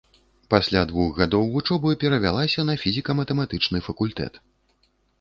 Пасля двух гадоў вучобы перавялася на фізіка-матэматычны факультэт.